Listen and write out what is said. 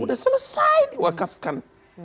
sudah selesai diwakafkan